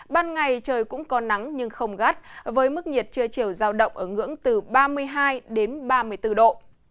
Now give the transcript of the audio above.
ban ngày trời cũng có nắng nhưng không gắt với mức nhiệt trưa chiều giao động ở ngưỡng từ ba mươi hai đến ba mươi bốn độ